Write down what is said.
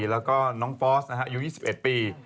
แล้วก็น้องฟอสอายุ๒๑ปี